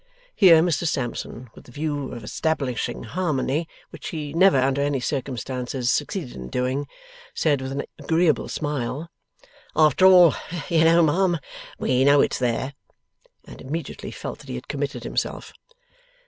Here, Mr Sampson, with the view of establishing harmony, which he never under any circumstances succeeded in doing, said with an agreeable smile: 'After all, you know, ma'am, we know it's there.' And immediately felt that he had committed himself.